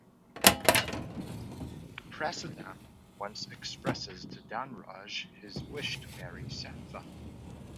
Prasadam once expresses to Dhanraj his wish to marry Santha.